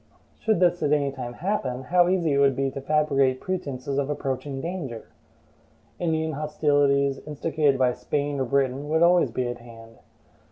Should this at any time happen, how easy would it be to fabricate pretenses of approaching danger! Indian hostilities, instigated by Spain or Britain, would always be at hand.